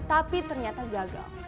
tapi ternyata gagal